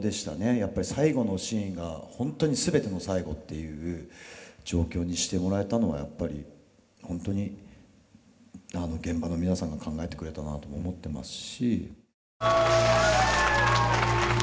やっぱり最後のシーンが本当に全ての最後っていう状況にしてもらえたのはやっぱり本当に現場の皆さんが考えてくれたなと思ってますし。